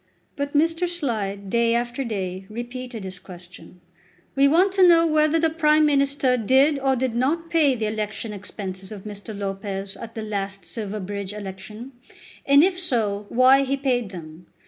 But Mr. Slide, day after day, repeated his question, "We want to know whether the Prime Minister did or did not pay the election expenses of Mr. Lopez at the last Silverbridge election, and if so, why he paid them.